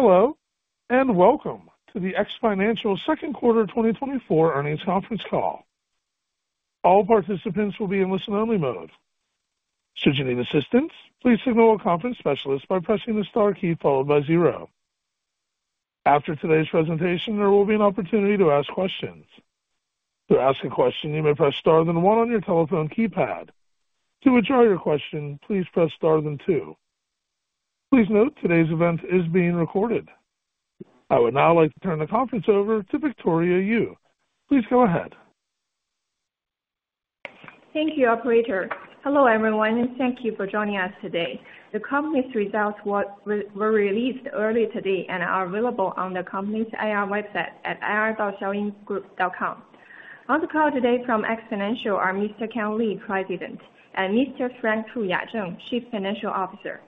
Hello, and welcome to the X Financial second quarter 2024 earnings conference call. All participants will be in listen-only mode. Should you need assistance, please signal a conference specialist by pressing the star key followed by zero. After today's presentation, there will be an opportunity to ask questions. To ask a question, you may press star then one on your telephone keypad. To withdraw your question, please press star then two. Please note, today's event is being recorded. I would now like to turn the conference over to Victoria Yu. Please go ahead. Thank you, operator. Hello, everyone, and thank you for joining us today. The company's results were released early today and are available on the company's IR website at ir.xiaoyinggroup.com. On the call today from X Financial are Mr. Kan Li, President, and Mr. Frank Fuya Zheng, Chief Financial Officer.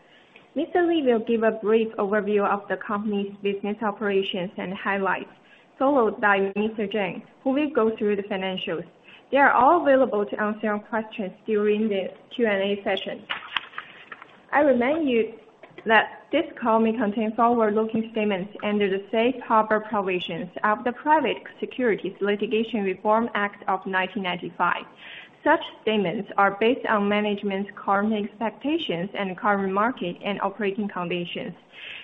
Mr. Li will give a brief overview of the company's business operations and highlights, followed by Mr. Zheng, who will go through the financials. They are all available to answer your questions during the Q&A session. I remind you that this call may contain forward-looking statements under the safe harbor provisions of the Private Securities Litigation Reform Act of 1995. Such statements are based on management's current expectations and current market and operating conditions,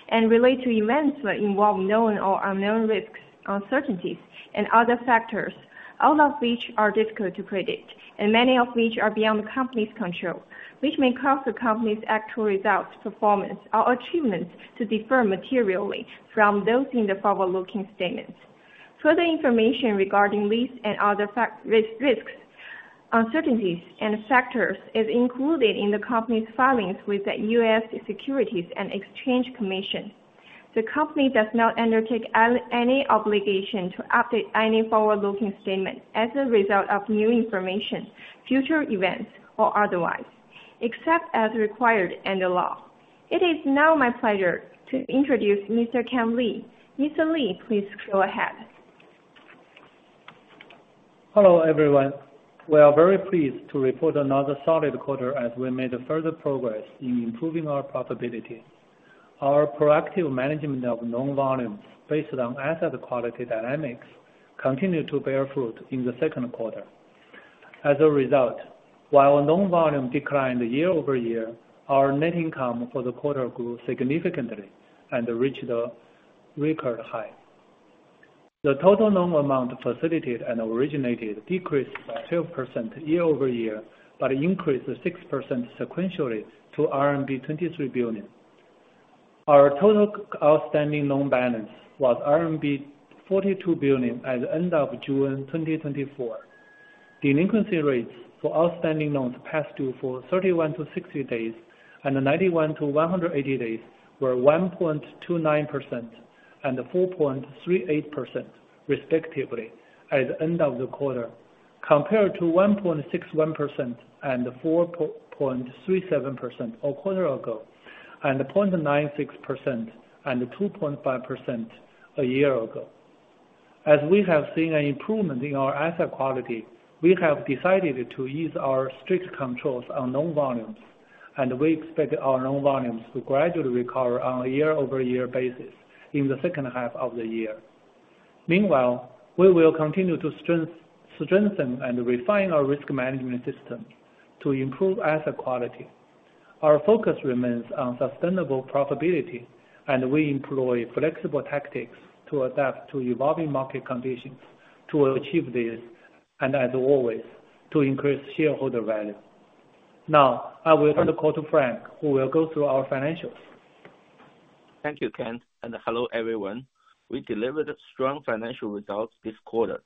and relate to events that involve known or unknown risks, uncertainties, and other factors, all of which are difficult to predict, and many of which are beyond the company's control, which may cause the company's actual results, performance, or achievements to differ materially from those in the forward-looking statements. Further information regarding these and other factors, risks, uncertainties, and factors is included in the company's filings with the U.S. Securities and Exchange Commission. The company does not undertake any obligation to update any forward-looking statement as a result of new information, future events, or otherwise, except as required in the law. It is now my pleasure to introduce Mr. Kan Li. Mr. Li, please go ahead. Hello, everyone. We are very pleased to report another solid quarter as we made further progress in improving our profitability. Our proactive management of loan volumes based on asset quality dynamics continued to bear fruit in the second quarter. As a result, while loan volume declined year over year, our net income for the quarter grew significantly and reached a record high. The total loan amount facilitated and originated decreased by 12% year over year, but increased 6% sequentially to RMB 23 billion. Our total outstanding loan balance was RMB 42 billion at the end of June 2024. Delinquency rates for outstanding loans past due for 31-60 days and 91-180 days were 1.29% and 4.38% respectively at the end of the quarter, compared to 1.61% and 4.37% a quarter ago, and 0.96% and 2.5% a year ago. As we have seen an improvement in our asset quality, we have decided to ease our strict controls on loan volumes, and we expect our loan volumes to gradually recover on a year-over-year basis in the second half of the year. Meanwhile, we will continue to strengthen and refine our risk management system to improve asset quality. Our focus remains on sustainable profitability, and we employ flexible tactics to adapt to evolving market conditions to achieve this, and as always, to increase shareholder value. Now, I will turn the call to Frank, who will go through our financials. Thank you, Kan, and hello, everyone. We delivered strong financial results this quarter.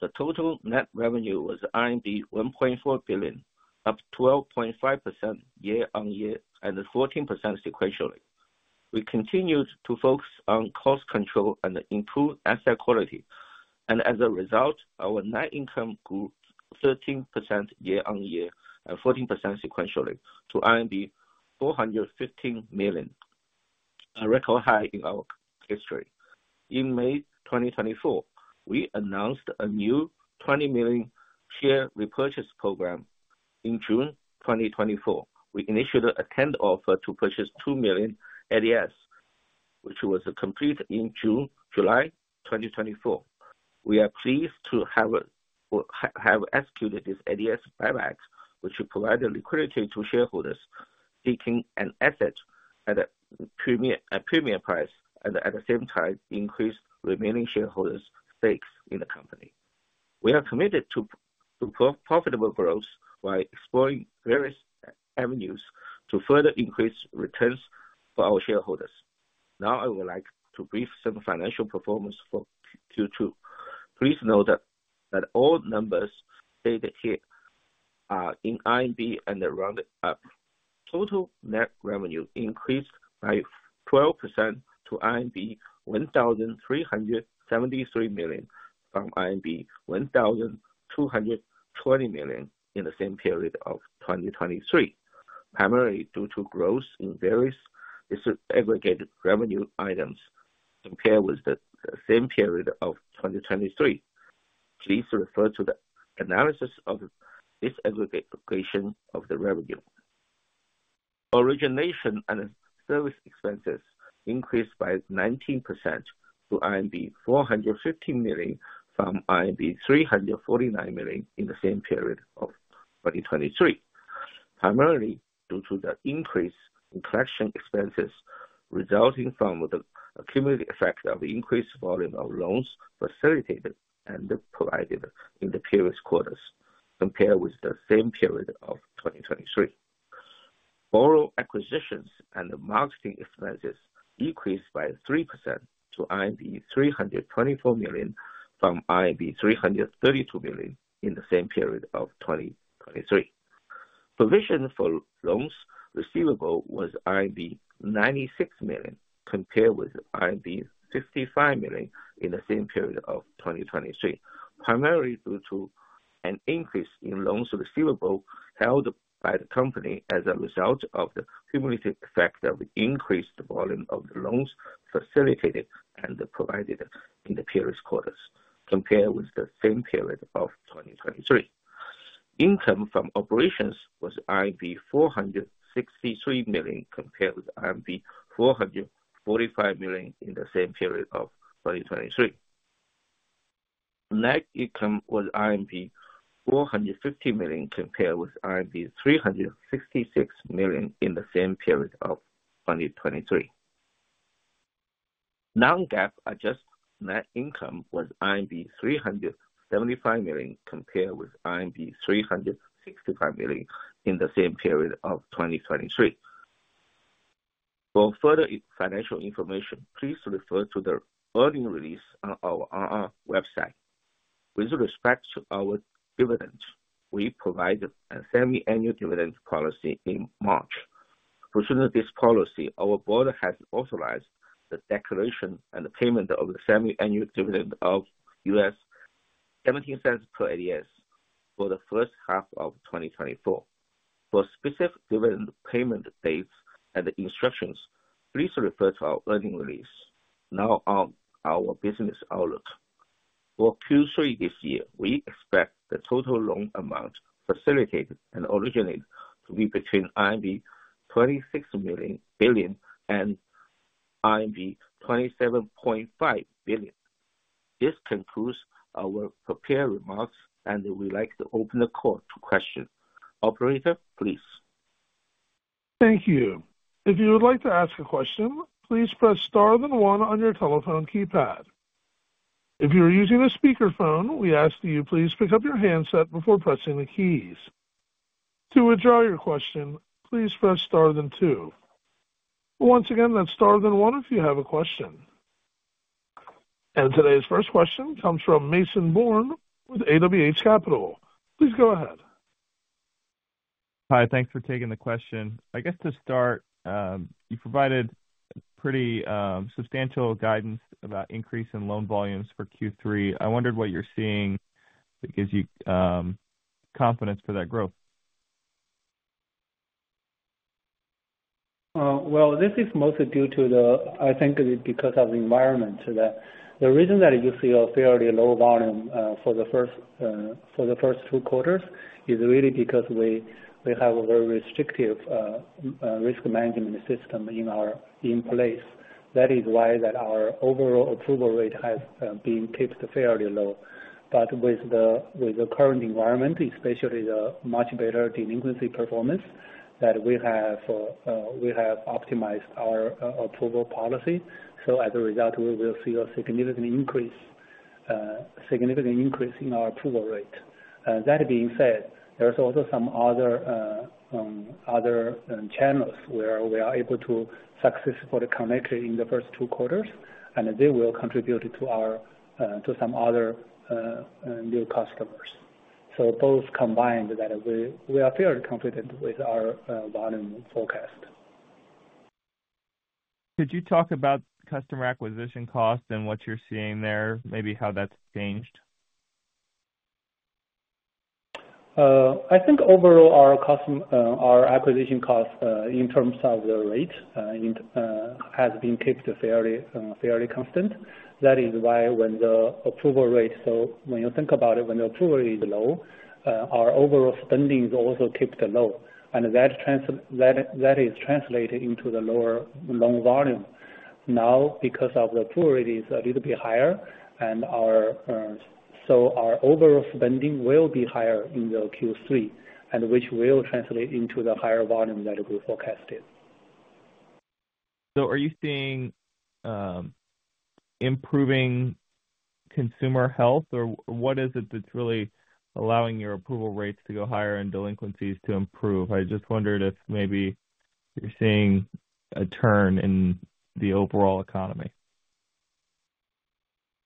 The total net revenue was RMB 1.4 billion, up 12.5% year on year and 14% sequentially. We continued to focus on cost control and improve asset quality, and as a result, our net income grew 13% year on year and 14% sequentially to RMB 415 million, a record high in our history. In May 2024, we announced a new 20 million share repurchase program. In June 2024, we initiated a tender offer to purchase 2 million ADSs, which was completed in July 2024. We are pleased to have executed this ADSs buyback, which will provide a liquidity to shareholders seeking an exit at a premium price, and at the same time, increase remaining shareholders' stakes in the company. We are committed to profitable growth by exploring various avenues to further increase returns for our shareholders. Now, I would like to brief some financial performance for Q2. Please note that all numbers stated here are in RMB and are rounded up. Total net revenue increased by 12% to RMB 1,373 million, from RMB 1,220 million in the same period of 2023, primarily due to growth in various aggregate revenue items compared with the same period of 2023.... Please refer to the analysis of this aggregate allocation of the revenue. Origination and service expenses increased by 19% to RMB 450 million, from RMB 349 million in the same period of 2023. Primarily, due to the increase in collection expenses, resulting from the cumulative effect of the increased volume of loans facilitated and provided in the previous quarters, compared with the same period of 2023. Borrower acquisitions and marketing expenses decreased by 3% to 324 million, from 332 million in the same period of 2023. Provision for loans receivable was RMB 96 million, compared with RMB 55 million in the same period of 2023. Primarily, due to an increase in loans receivable held by the company as a result of the cumulative effect of the increased volume of the loans facilitated and provided in the previous quarters, compared with the same period of 2023. Income from operations was 463 million, compared with 445 million in the same period of 2023. Net income was RMB 450 million, compared with RMB 366 million in the same period of 2023. Non-GAAP Adjusted Net Income was 375 million, compared with 365 million in the same period of 2023. For further financial information, please refer to the earnings release on our website. With respect to our dividends, we provided a semi-annual dividend policy in March. Pursuant to this policy, our board has authorized the declaration and the payment of the semi-annual dividend of $0.17 per ADS for the first half of 2024. For specific dividend payment dates and the instructions, please refer to our earnings release. Now, on our business outlook. For Q3 this year, we expect the total loan amount facilitated and originated to be between 26 billion and 27.5 billion. This concludes our prepared remarks, and we'd like to open the call to questions. Operator, please. Thank you. If you would like to ask a question, please press star then one on your telephone keypad. If you are using a speakerphone, we ask that you please pick up your handset before pressing the keys. To withdraw your question, please press star then two. Once again, that's star then one if you have a question. And today's first question comes from Mason Bourne, with AWH Capital. Please go ahead. Hi, thanks for taking the question. I guess to start, you provided pretty substantial guidance about increase in loan volumes for Q3. I wondered what you're seeing that gives you confidence for that growth? Well, this is mostly due to the, I think, because of the environment. The reason that you see a fairly low volume for the first two quarters is really because we have a very restrictive risk management system in place. That is why our overall approval rate has been kept fairly low. But with the current environment, especially the much better delinquency performance that we have, we have optimized our approval policy. So as a result, we will see a significantly increase, significant increase in our approval rate. That being said, there's also some other channels where we are able to successfully connect in the first two quarters, and they will contribute to some other new customers. Both combined, that we are fairly confident with our volume forecast. Could you talk about customer acquisition costs and what you're seeing there? Maybe how that's changed. I think overall, our customer acquisition costs in terms of the rate, it has been kept fairly constant. That is why when the approval rate... When you think about it, when the approval rate is low, our overall spending is also kept low, and that is translated into the lower loan volume. Now, because our approval rate is a little bit higher and so our overall spending will be higher in the Q3, and which will translate into the higher volume that we forecasted. So are you seeing improving consumer health, or what is it that's really allowing your approval rates to go higher and delinquencies to improve? I just wondered if maybe you're seeing a turn in the overall economy.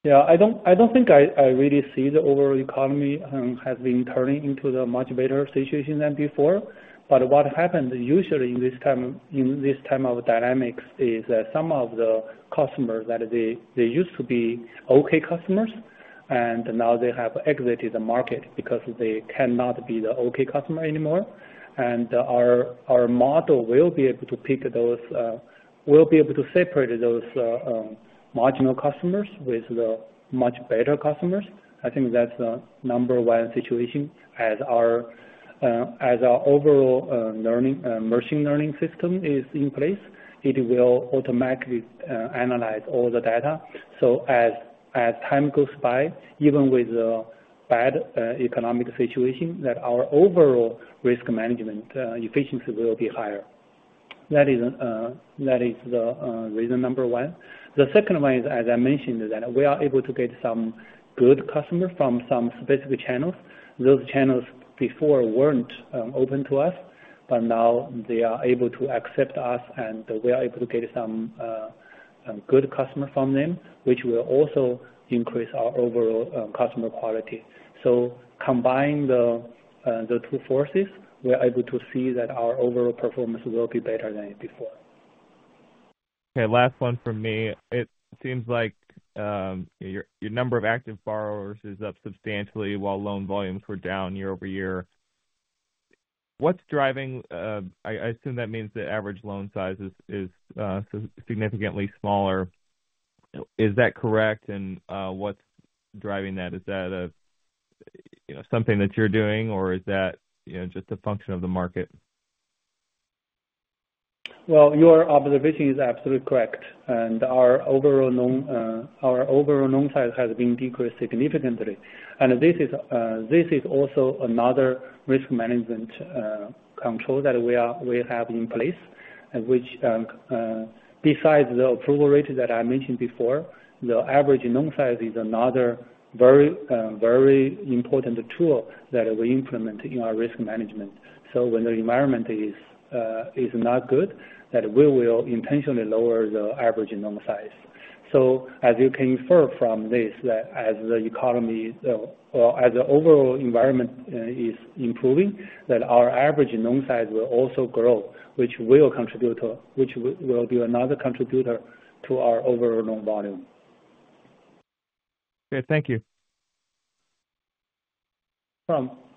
Yeah, I don't think I really see the overall economy has been turning into the much better situation than before. But what happens usually in this time of dynamics is that some of the customers that they used to be okay customers, and now they have exited the market because they cannot be the okay customer anymore. And our model will be able to separate those. ... marginal customers with the much better customers. I think that's the number one situation as our overall learning machine learning system is in place, it will automatically analyze all the data. So as time goes by, even with the bad economic situation, that our overall risk management efficiency will be higher. That is, that is the reason number one. The second one is, as I mentioned, is that we are able to get some good customers from some specific channels. Those channels before weren't open to us, but now they are able to accept us, and we are able to get some good customer from them, which will also increase our overall customer quality. So combining the two forces, we're able to see that our overall performance will be better than before. Okay, last one from me. It seems like your number of active borrowers is up substantially, while loan volumes were down year over year. What's driving? I assume that means the average loan size is significantly smaller. Is that correct? And what's driving that? Is that, you know, something that you're doing or is that, you know, just a function of the market? Your observation is absolutely correct, and our overall loan size has been decreased significantly. This is also another risk management control that we have in place, which, besides the approval rate that I mentioned before, the average loan size is another very, very important tool that we implement in our risk management. When the environment is not good, we will intentionally lower the average loan size. As you can infer from this, as the economy or as the overall environment is improving, our average loan size will also grow, which will be another contributor to our overall loan volume. Okay, thank you.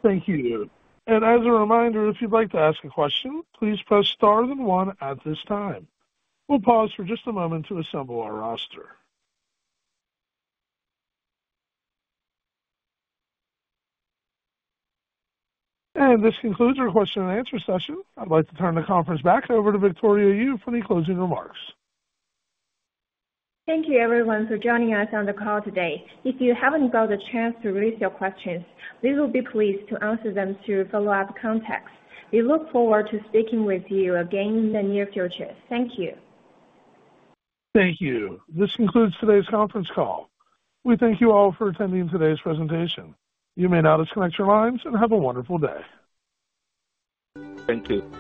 Thank you. And as a reminder, if you'd like to ask a question, please press star then one at this time. We'll pause for just a moment to assemble our roster. And this concludes our question and answer session. I'd like to turn the conference back over to Victoria Yu for the closing remarks. Thank you, everyone, for joining us on the call today. If you haven't got the chance to raise your questions, we will be pleased to answer them through follow-up contacts. We look forward to speaking with you again in the near future. Thank you. Thank you. This concludes today's conference call. We thank you all for attending today's presentation. You may now disconnect your lines and have a wonderful day. Thank you.